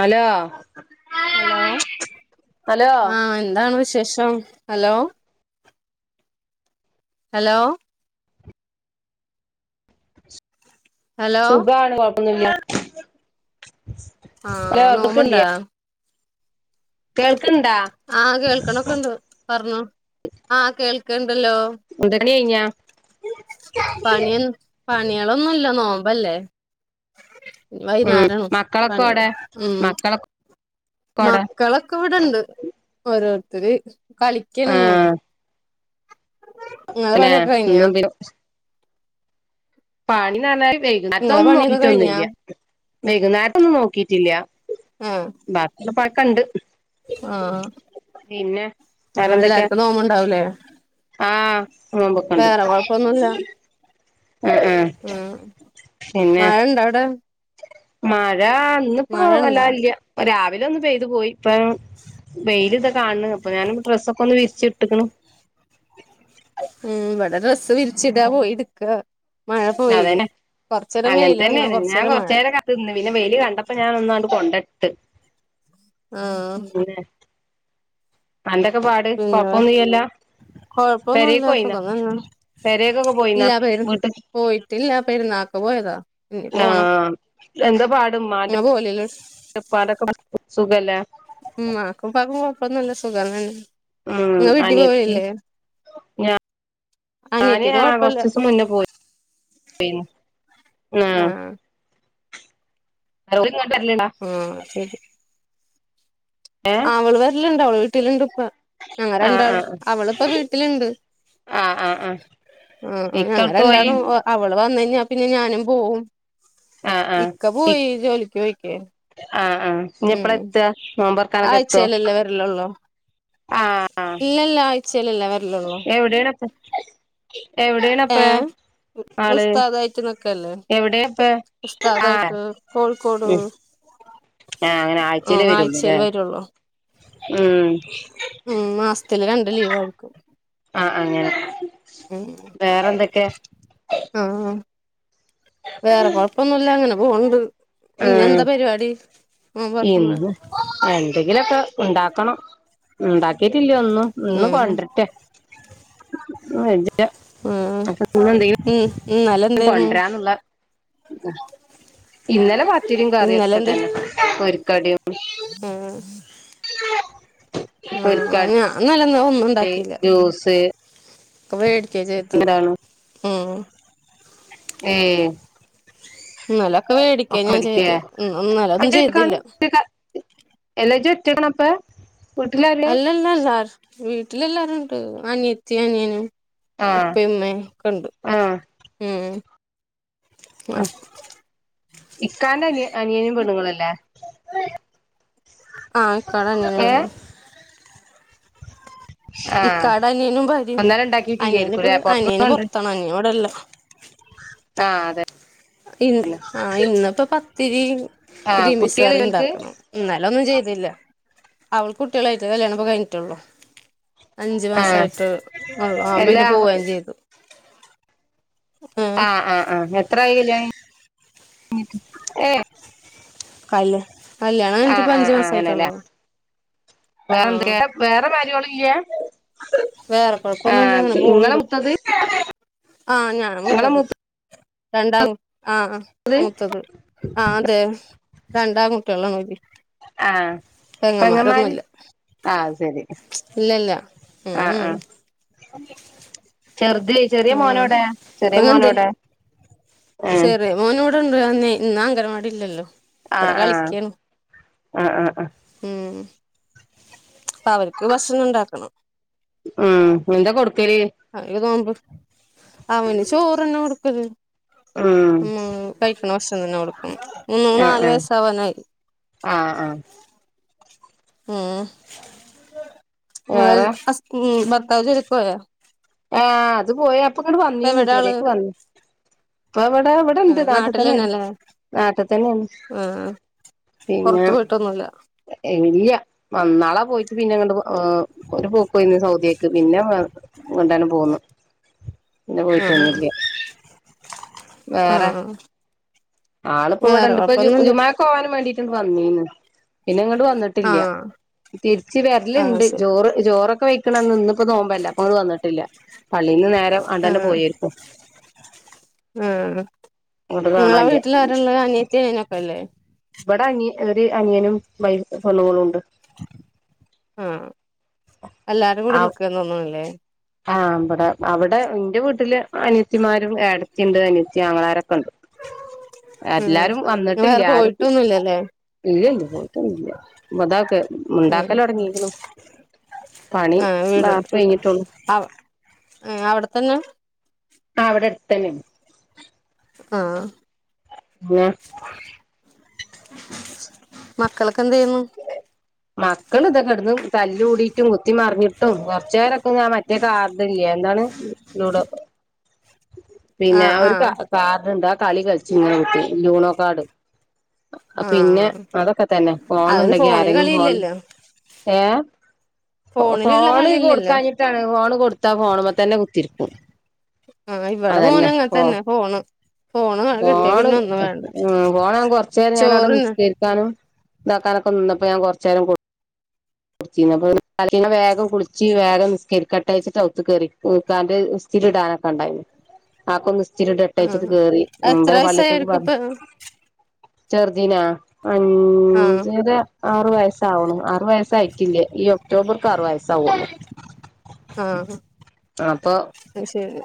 hello hello hello ആഹ് എന്താണ് വിശേഷം ഹലോ ഹലോ ഹലോ സുഖാണ് കൊഴപ്പൊന്നുമില്ല ആഹ നോമ്പ്ണ്ടാ കേൾക്ക്ണ്ടാ ആഹ കേൾക്കണൊക്കെണ്ട് പറഞ്ഞോ ആഹ് കേൾക്കണ്ടല്ലോ എന്താ പണി കഴിഞ്ഞാ പണിയ പണികളൊന്നുംല്ല നോമ്പല്ലേ ഉം വൈകുന്നരാണോ മക്കളൊക്കെ പണി എവടെ മ് മക്കളൊക്കെ എവടെ മക്കളൊക്കെ ഇവിടെണ്ട് ഓരോരുത്തര് കളിക്കണ തോന്ന് ആഹ് പിന്നെ ഇ പിന്നെ പണി നാ വൈ ഇങ്ങളെ അറ്റൊന്നും പണിയൊക്കെ കഴിഞ്ഞാ നോക്കിട്ടൊന്നുംല്ല വൈകുന്നേരം നേട്ടൊന്നും നോക്കിട്ടില്ല ആഹ് ബാക്ക പക്കണ്ട് ആഹ് ആ വേറെന്തൊക്കെ എല്ലാർക്കും നോബ്ണ്ടാവൂലേ ആഹ് നോമ്പൊക്കണ്ട് ആഹ പിന്നെ മഴണ്ടാ അവിടെ മഴ അന്നിപ്പോ മഴ ഇണ്ടാ വല്ലല് രാവിലെ ഒന്ന് പെയ്തു പോയി ഇപ്പ വെൽ കാണ് അപ്പൊ ഞാൻ ഡ്രെൊക്കെ ഒന്ന് വിരിച്ച്ട്ട്ക്ണ് ഉം വടെ ഡ്രസ്സ് വിരിച്ചിടാ പോയിടുക്ക അതനെ അങ്ങനെ വെയില് തന്നെയ വന്നാ ഞാൻ കൊറച്ചേരം മഴ കൊറച്ച് നേരം കാത്ത് നിന്നന്ന് പിന്നെ വെയിൽ കണ്ടപ്പോ ഞൻ ഒന്നണ്ട് കൊണ്ടിട്ട് ആഹ് അന്റെ ഒക്കെ പാട് പിന്നെ കൊഴപ്പൊന്നുംല്ല പരേക്ക് കൊഴപ്പൊന്നുല്ല പോയിന്ന സുഖം തന്നെ പരേക്കൊക്കെ പോയിന്ന ഇല്ല പെരു മുത്തചി പോയിട്ടില്ല പെരുന്നാക്ക് പോയതാ ഇഞ് പോണം ആഹ് ഉമ്മാന്റെ അങ്ങെ പോലല്ലോ ഇപ്പാടെ പാട് സുഖല്ലേ മാക്കുംപ്പക്കും കൊഴപ്പന്നില്ല സുഖന്നെ ഉം നിങ്ങൾ വീട്ടിൽ പോവലില്ലേ ഞാൻ അനിയത്തിക്കും ആ കൊഴപ്പല്ല കുറച്ച് ദിവസം മുന്നേ പോയി ആഹ് ഹലോ ആഹ് ശരി ഏഹ് അവള് വരിലുണ്ട് അവള് വീട്ടിലുണ്ട് ഇപ്പ ഞങ്ങ രണ്ടാളു അവളിപ്പ വീട്ടിലുണ്ട് ആഹ ആ ആ ഞങ്ങ രണ്ടാളും അവള് വന്നഴഞ്ഞ പിന്നെ ഞാനും പോവും ആഹ് ആഹ് ഇക്ക ഇ പോയി ജോലിക്ക് പോയിക്ക ആഹ് ആഹ് ഇഞ്ഞ് ഉം എപ്പളാ എത്താ നോമ്പൊറക്കാനൊക്കെ എത്തോ ആഴിച്ചയില്ലല്ലോ അല്ലെ വരല്ലള്ളോ ഇല്ലല്ല ആ എവിടെണപ്പ എവിടെണ അപ്പ ഏഹ് ഉസ്താദായിട്ട് നിക്കല്ലേ അപ്പ ആഹ ഉസ്താദായിട്ട് കോഴിക്കോട് ഉ ആഹ അങ്ങനെ ആഴ്ചയിൽ അല്ലെ ഉം ആഴ്ചയിൽ വരുള്ളൂല്ലേ വരുള്ളൂ ഉം ത്തില് രണ്ട് ലീവ് ആയിരിക്കും ആഹ അങ്ങനെ വേറെന്തൊക്കെയ ആഹ് വേറെ കൊഴപ്പൊന്നുമല്ല അങ്ങനെ പോവണ്ട് പിന്നെ ഉം എന്താ പരിപാടി നോമ്പൊറക്കുമ്പ ഇന്ന് എന്തെങ്കിലുംക്കെ ഉണ്ടാക്കണം ഉണ്ട ഉണ്ടാക്കീട്ടില്ല ഒന്നും ഇന്ന് ഉം കൊണ്ടിട്ട ഉം അപ്പ [unintelligible] ഉം ഇന്നലെന്തേരുന്നു കൊണ്ടരന്നുള്ള ഇന്നലെ പത്തിരിയും കറിയൊക്കെ തന്നെ പോരിക്കടിയും ആഹ ആ ഞാൻ അങ്ങനെ ജൂസ് ഒക്കെ വെടി [unintelligible] ഉം ഇന്നലൊക്കെ മേടിക്കാ ഞാൻ ഒക്കടക്ക ചെയ്ത് ഇന്നലെ എ ഒന്നും ചെയ്തില്ല [unintelligible] [unintelligible] അല്ലല്ല വീട്ടിലെല്ലാരുണ്ട് അനിയത്തി അനിയനും ആഹ് ഉപ്പയും ഉമ്മയും ഒക്കെ ഉണ്ട് മ്മ് ഉ ഇക്കാന്റെ അനി അനിയനും പെണുങ്ങളല്ലേ ആഹ് ഇക്കാടെ അനിയൻ പെണു [inaudible] ആഹ അനിയനും ഭാര്യയും ഇന്നലെ ഉണ്ടാക്കിയത് ഇയ് അനിയന് ആയിരിക്കും ഇപ്പ അല്ലെ അനിയന് പുറത്തൊന്നുംണ്ട് പുറത്താണ് അനിയൻ ഇവിടെല്ല ആഹ അതെ ഇ ആ ഇന്നിപ്പോ പത്തിരി ആഹ് ഗ്രീൻ പീസ് കുട്ടികള് കറി ഇവൽക്ക് ഉണ്ടാക്കണം ഇന്നാലെ ഒന്നും ചെയ്തില്ല അവൾ കുട്ടികളായിട്ടില്ല കല്യാണംപ്പ കഴിഞ്ഞിട്ടുള്ളു അഞ്ചു ആഹ് മാസായിട്ട് ഉള്ളു ആ പിന്നെ എല്ലാ പോവയും ചെയ്തു ഉം അ അ അ എത്രായില് കല്യാണം കഴിഞ്ഞിട്ട് കായല് ആഹ ആഹ് ആ അങ്ങനെല്ലേ ആഹ് വേറെ എന്തൊക്കെ ഇല്ല വേറെ ആ കൊഴപ്പൊന്നുല്ല നിങ്ങള മുത്തത് ആഹ ഞാന മൂതത് രണ്ടാം ആ മൂത്തത് ആ അതെ രണ്ട് ആണ് കുട്ടി കൾ ആഹ് പെങ്ങന്മാർ പെങ്ങന്മാര് ഒന്നുമില്ല ആഹ് ശരി ഇല്ലല്ലാ ഉം ചെറുതി ചെറിയ മോനോട ചെറിയ മോനോടെ സരി മോന നോടണ്ടി എനി ഇന്ന് അംഗനവാടിഇല്ല ല്ലോ ഇവിടെ ആഹ് ആഹ് കളിക്കുകയാണ് ആഹ് ആഹ് ആഹ് ഉം അപ്പൊ അവർക്ക് ഭക്ഷണം ഉണ്ടാക്കണം ഉം എന്താ കൊടുക്കല് അവര് നോമ്പ് അവന് ചോറ്ന്നെ കൊടുക്കല് ഉം ഉ കഴിക്കണ ഭക്ഷം തന്നെ കൊടുക്കും മന്ന ആഹ് നാല് ആഹ് വയസ ആവാനായി ആഹ് ആഹ് ഉം വേറെ അ [unintelligible] ആഹ അത് പോയ അപ്പ ഇങ്ങോട്ട് വന്നീന്ന് പെരേക് വന്നി ആ നാട്ടില തന്നെല്ലേ നാട്ടി തന്നെയാണ് ആഹ പിന്നെ പുറത്തു പോയിട്ടൊന്നുംല്ല ഇല്ല മന്നാളാ പോയിട്ട് പിന്നെങ്ങണ്ട് ഒരു പൂക്കയിന്ന് സൗദിയക്ക് പിന്നെ കൊണ്ടെ പോന്നുന്നു പിന്നെ ആഹ് പോയിട്ടൊന്നില്ല ആഹ് [inaudible] ആളിപ്പോ ഇവിടെ വേറെ ഇണ്ട് ഇപ്പ കൊഴപ്പൊന്നുല്ല ജുമാക്ക് പോകൻ വേണ്ടിട്ടുണ്ട് വന്നീന്ന് പിന്നെ ഇങ്ങോട്ട് വന്നിട്ടില്ല ആഹ് തിരിച്ച് ആഹ് വരലുണ്ട് ശരി ചോറ് ജോറൊക്കെ വെക്കണന്ന് ഇന്ന ഇപ്പോ തോമ്പല്ല അപ്പട് വന്നിട്ടില്ല പള്ളിന്ന് നേരെ ആണ്ടന്നെ ആഹ പോയിരിക്കും ആഹ ഇങ്ങോട്ട് മള കാണാനില്ല വീട്ടില അരല്ല അ എത്തി നക്കല്ല ഇവിടെ അന ഒരു അനിയനും വൈഫ സ്ണ്ണങ്ങളും ഉണ്ട് ആഹ എല്ലാരും കൂടി നിക്കുകന്ന് തോന്നണല്ലേ ആഹ് അടെ അവിടെ എന്റെ വീട്ടില് അനസിമാരും ഇടത്തിയുണ്ട് അനസി ങ്ങളാരൊക്കെ ഉം എല്ലാരും ഇങ്ങള് വന്നിട്ടില്ല വേറെ ആരക്ക പോയിട്ടൊന്നുല്ലല്ലേ ഇല്ല ഇ പോത്ത ഇല്ല അതക്കെ ഉം ഉണ്ടാക്കല തുടങ്ങിുന്നു പണി മാപ്പ വഴഞ്ഞിട്ടുള്ളൂ അവിടെത്തന്നെ ആ അവിടെ അടുത്തന്നെ ആഹ [inaudible] മക്കളൊക്കെ എന്തെയ്യുന്നു മക്കൾ ഇതൊക്കെടന്ന് തല്ലല് കൂടിയിട്ടും കുത്തി മറിഞ്ഞിട്ടും കുറച്ച നേേരൊക്കെ ആ മറ്റേ കാർഡ ഇല്ലേ എന്താണ് ട പിന്നെ ആഹ് ആ ഒരു ആഹ് കാ കാ എന്താ കളി കളിച്ചു ഇങ്ങനെ കട്ടി ലൂണോ കാടും പിന്നെ ആഹ് അതൊക്കെ തന്നെ അവന് പോണണ്ടെങ്കി ഫോണില് ആരെങ്കിലും പോണം കളിയില്ലല്ലോ ഏ ഫോണിലുള്ള ഫോണ് കൊടുക്ക കളിയില്ലല്ലോ കഴിഞ്ഞിട്ടാണ് ഫോണ് കൊടുത്താ ഫോണ്പ തന്നെ കുത്തിരിക്കും ആഹ ഇവിടെ മോന അതന്നെ ഫോ അങ്ങത്തന്നെ പോണ് ഫോണ് കിട്ടിയ ഫോണ് പിന്ന ഒന്നും വേണ്ട ഫോൺ ഞാൻ കൊറച്ചു നേരം ഞാൻ അവിടെ ചോറ്ന്ന നിസ്കരിക്കാനും ഇതാക്കാനൊക്കെ നിന്നപ്പോ ഞാൻറച്ച നേരംും കു അ വേഗം കുടിച്ച് വേഗം കട്ട അയച്ചിട്ട് അു കറിന്റെ സ്ിരിടാനൊക്കെ ഉണ്ടായിരുന്നു ആക്ക ചിരിട്ട എട്ടാഴ്ട്ട ആഹ് കേയറി എത്ര വരെ വയസായി പള്ളക്കൊക്കെ അവർക്ക് ഇപ്പ പറഞ്ഞു ചെർദീിനാ ആഹ് അഞ്ചര ആറു വയസ്സാവണ് ആറു വയസ് ട്ടില്ലേ ഈ ഒക്ടോബർക്ക്റു വയസ്സ ആാവല്ലോ ആഹ് അപ്പൊ അത് ശരി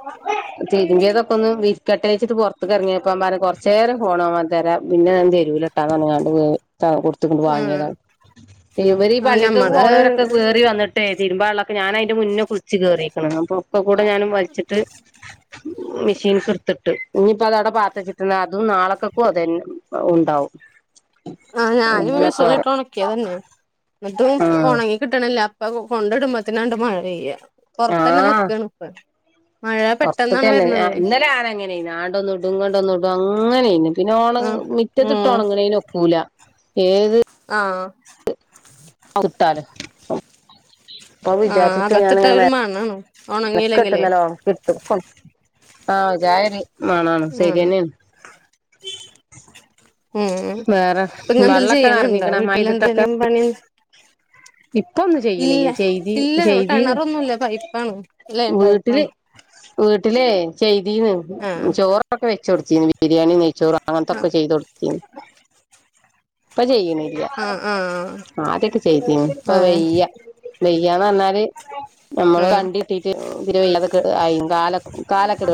തിേത ഇൊ ഒന്ന് വി കട്ടഴച്ചിട്ട്റത്ത് ഇറങ്ങിയപ്പ പറ കുറച്ച നേം പോോണാവാൻ തരാം പിന്നെഞാ തെരുവിലിട്ടാന്ന് പറ കൊടുത്തൊണ്ട് ആഹ് വാങ്ങിയതാണ് ഇവര്ഈ ആഹ് പള്ളിക്കൊെ ഞമ്മള് പോണവരൊക്കെ കേറി വന്നിട്ടേ തരുമ്പ ആള്ളൊെ ഞാനൻന്റെ മുന്നെ കുച്ച് കേറീക്ക അപ്പൊക്ക കൂടെ ഞാന വ് മെഷീൻർത്തിട്ട് ഇനിപ്പ അതടെ പാച്ചിട്ട അതും നാളക്കക്കും അതന്നെ ഉണ്ടാവും ആഹ ഞാനും അങ്ങനെക്കോര മിഷീൽിട്ട് ഉണക്കിയ തന്നെ എന്നിട്ടും ആഹ് ഉണങ്ങി കിട്ടണില്ല ഇപ്പൊ കൊണ്ടിടുമ്പത്തിനാണ്ട് മഴ പെയ്യ പുറത്ത തന്നെ നക്കാണ് ഇപ്പ മഴ പുറത്തക്ക പെട്ടെന്നാണ് തന്നെ വരുന്നത് ഇന്നലെ ആന എങ്ങനൊയിാണ്ടൊന്ന ഇടും ഇങ്ങോണ്ടൊന്നും ഇടും അങ്ങനെും പിന്നെ ഓണം ആഹ് മറ്റത്തിട്ടോഓണങ്ങനെ ഒക്കൂല ഏത് ആഹ ആ ആഹ അകത്തിട്ട ഒരു മണണോ എനക്ക ഇട്ട്ുന്നല്ലിത്തു ആചാരി വണണം ആഹ് ശരിയന്നെയ ഉം ഇ ഇങ്ങ എന്തെങ്കലും ചെയ്യണണ്ടോ നിറഞ്ഞിക്കണ വീട്ടില എന്തേലും പണി ഇപ്പ ഒന്ന് ഇല്ല ചെയ്യണ്യ ചെയ്തി ഇല്ല ഇവിടെ ചെയ്തിീ കിണറൊന്നുല്ല പൈപ്പാണ് ലൈൻ വീട്ടില് പൈപ്പാണ് വീട്ടിലെ ചെയ്തീന്ന് ആഹ് ചോറൊക്കെ വെച്ചോടുത്തീന്ന് ബിരിയാണി ന ആഹ് ചോറാങ്ങനത്തൊക്കെ ചെയ്ത കൊടുത്തി ഇപ്പൊ ചെയ്യണില്ല ആഹ് ആഹ് ആ അതൊക്കെ ചെയ്തീ ഇപ്പ ആഹ് വയ്യ വെയ്യാന്ന് പറഞ്ഞാല് നമ്മള് ആഹ് കണ്ടി ഇട്ടിട്ട് ഇതി വതെ കാലൊക്കെട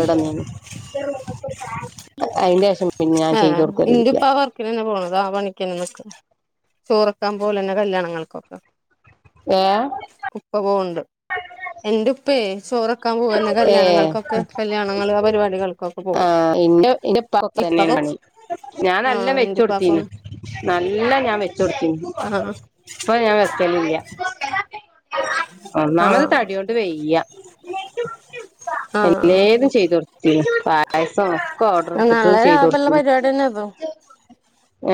അേഷം ആഹ് ഇന്റെ പ വർക്കി തന്നെ പോണം അതാ പണിക്കക്ക് ചോറക്കാൻ പോലെന്നെ കല്യാണങ്ങൾക്കൊക്കെ ഏഹ് കുപ്പ പോണ്ട് [inaudible] പോവന്നെ ഏ കല്യാണങ്ങൾക്കൊക്കെ കല്യാണങ്ങള് ആ പരിപാടികൾക്കൊക്കെ ആ പോവും ഇന്ന ഇന്നെപ്പ ന ഇപ്പ കൊ മണി ഞാൻ നല്ലാം ആഹ് വെച്ച കൊടുത്തീന്ന് എന്റുപ്പാക്കും നല്ല ഞാൻ വെച്ച കൊടുത്തീന്ന് ആഹ് ഇപ്പൊ ഞാൻ വത്തലല്ല ഒന്നാമത് ആഹ് തടൊണ്ട് വെയ്യ ആഹ് എന്നേതും ചെയ്ത്ൊടുത്തി പായസം ഒക്കെ ഓർഡർ എടുത്തിട്ട് നല്ല ചെയ്ത ലാഭള്ള കൊൊടുത്തി പരിപാടിന്നെ അതോ ഹ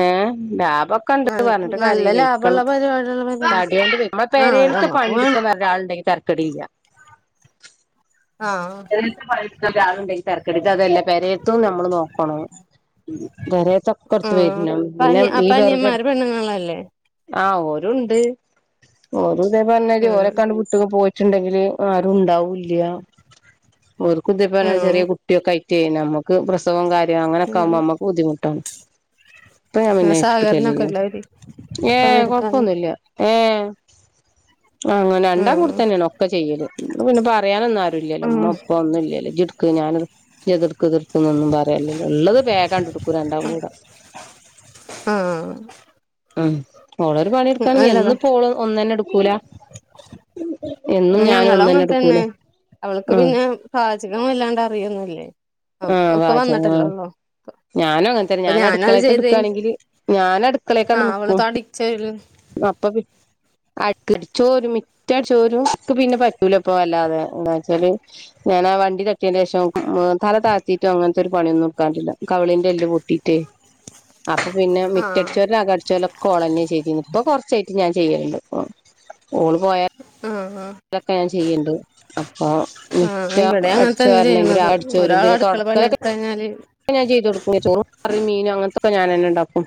ബ ഇൊ കണ്ട നൽ പറഞ്ഞിട്ട് കറി നല്ല വെിക്ക ലാഭള്ള പരിപാടിള്ള പരിപാടി തടിയണ്ട് നമ്മെ ആഹ് പേരെടുത്ത് നമ്മക്ക് വേണം പണിയെടുക്കാൻ വ അെ തർക്കടടി ഇല്ല [inaudible] ആഹ് രാള ഉണ്ടെങ്കിൽ തിരക്കെടുത്ത് അതെല്ല പരയത്തും നമ്മള് നോക്കണം തരത്തൊക്കെ എടുത്ത് ഉം വരണം പിന്നെ ഈ വെറഗ ആല്ലേ ആഹ ഓരണ്ട് ഓരും ഇതേ പറഞ്ഞല് ഉം ഓരോക്കാണ്ട് കുട്ടിക പോയിട്ടുണ്ടെ അ ആരുണ്ടാവൂില്ല ഒരുക്കുതിെ ഉം ചെറിയ കുട്ടിയക്കെയി നമക്ക്സവും കാര്യങ്ങനൊക്കെകുമ്പോ നമു ഉം ബുദ്ധിമു് ഇപ്പ ഞാൻ പിന്നെല്ലല്ല സഹകരണൊക്കെല്ലാവര് ഏ പണിയെടുക്കാന് കൊഴപ്പൊന്നുംല്ല ആഹ ആ അങ്ങനെ രണ്ടാംകൂടെ ഉം തന്നെയാണ് ഒക്കെ ചെയ്ത് പിന്നെ പറയാനൊന്നും ആരുുംില്ലല്ലോ ഉം ഒപ്പൊന്ന ഇല്ലല്ലോ ഞാന ക്ക് തീർക്കുന്നൊന്നും പറയാല്ല ഉള്ളത് പേഗാണ്ട് എടുക്കൂ രണ്ടാവും കൂടെ ആഹ ഉം ഓളരു പണി എടുക്കാണെങ്കിൽ എന്ന് ഇ പോള ഒന്നു തന്നെ എടുക്കൂല എന്നും ഞാനും ഞങ്ങള ഒന്നന്നെ അങ്ങനെത്ത എടുക്കൂല തന്നെ അവൾക്ക് ഉം പിന്നെ പാചകം വല്ലാണ്ട് അറിയന്നല്ലേ ആ ആഹ് ഇപ്പൊ പാചകം ആഹ് വന്നിട്ടല്ലോള്ളോ ഞാനും അങ്ങനത്തെരാ ഞാൻ അടുക്കളയക്ക് എടുക്കുയാണെങ്കില് ഞാനും ആ അടുക്കളയക്കാണ് അവള് നക്കും തടിച്ചല് അപ്പ ിച്ചോരും മറ്റ അടിച്ചോരും പിന്നെ പറ്റൂല ഇപ്പ വല്ലാതെ എന്താ വെച്ചാല് ഞാൻ ആ വണ്ടി ചട്ടിയ ശം തല താഴത്തിയിട്ടോ അങ്ങനത്തെ ഒരു പണിയന്നും നക്കാറില്ല കവളിന്റെ എല് പൂട്ടിട്ടേ അപ്പൊ പിന്നെ ആ മറ്റടിച്ചോ അക അടിച്ചോലൊക്കെ കുളഞ്ഞ ചെയ്തിരുന്നു ഇപ്പൊ കൊറച്ച ഞാൻ ചെയ്യലുണ്ട് സ്ഊള് പോയാ ആ ആ അതൊക്കെ ഞാൻ ചെയ്യണ്ട് അപ്പൊ മിക്ക ആ ഇവിടെ അടിച്ചു വരണെങ്കിൽ ആ അടിച്ചു വരും പിന്നെ തുടക്കം എടുതാഴിഞ്ഞല് ഞാൻ ചെയ്തു കൊടുക്കോ കറി മീൻ അങ്ങനത്തെ ഞൻന്നെ ഉണ്ടാക്കും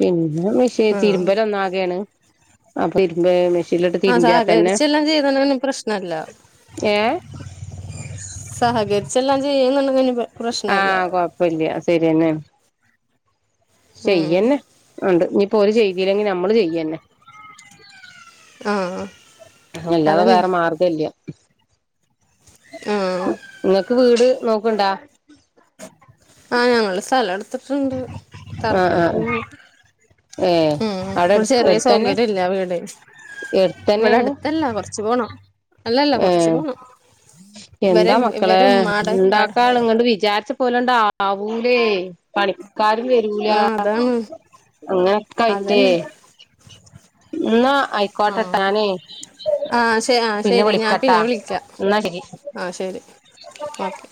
പിന്നെ ആ തിരുമ്പല ഒന്ന ആകെയാണ് അപ്പൊ ഇരുമ്പ ആഹ സഹകരിച്ച എല്ലാം ചെയ്തനങ്ങനെ പ്രശ്നല്ല എ സഹകരിച്ചെല്ലാം ചെയ്യുന്നുണ്ടനിപ്പ ആ കൊഴപ്പില്ല്യ ശരിയെന്നെ ഉം ചെയ്യന്നെ ഉണ്ട് ഇനിപ്പോ ഒര് ചെയ്തില്ലെങ്കി നമ്മള് ചെയ്യന്നെ ആ ആ അല്ലാതെ വേറെ മാർഗല്ല്യ ആ നിങ്ങക്ക് വീട് നോക്കണ്ടാ എത്തിട്ടുണ്ട് ആഹ് തർപ്പണി ആഹ് കയി ഏ ഉം അവിടെ ഒരു എടു ചെറിയ എടുത്തന്നെ സൗകര്യം ഇല്ല ഇവിടെ എടുത്തന്നെയാണ് അടുത്തല്ല കൊറച്ച് പോണം അല്ലല്ല ഏ കൊറച്ച് പോണം എന്താ ഇവരെ മക്കളെ ഇവരെ ഉമ്മാടെ ഇക്കാടെ ഉണ്ടാക്കാണ്ങ്ങൊണ്ട് വിചാരിച്ച പോലണ്ടാവൂടേ പണിക്കാരും വരൂല ആഹ് അതാണ് അങ്ങനെക്കെ ആയിട്ടേ അതന്നെ എന്നാ ആഹ് ആയിക്കോട്ടട്ടാനേ ആഹ് ശ ആഹ് ശരി ഞാൻ പിന്നെ വിളിക്കാം ആ ശരി ഓക്കെ